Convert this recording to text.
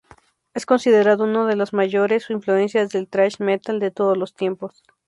Es considerado una de las mayores influencias del "thrash metal" de todos los tiempos.